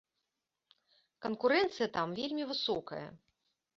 Канкурэнцыя там вельмі высокая.